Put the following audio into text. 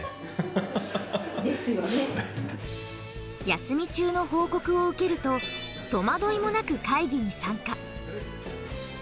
休み中の報告を受けると戸惑いもなく会議に参加。